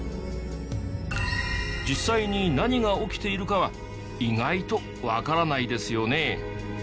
実際に何が起きているかは意外とわからないですよね。